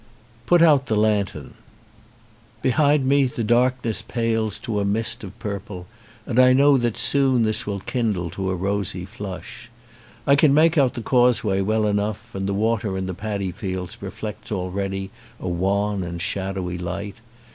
Put out the lantern. Behind me the darkness 70 DAWN pales to a mist of purple and I know that soon this will kindle to a rosy flush. I can make out the causeway well enough and the water in the padi fields reflects already a wan and shadowy light.